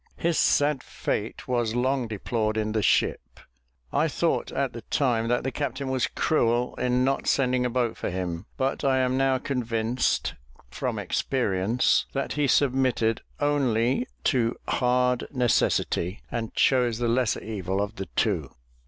His sad fate was long deplored in the ship. I thought at the time that the captain was cruel in not sending a boat for him; but I am now convinced, from experience, that he submitted only to hard necessity, and chose the lesser evil of the two.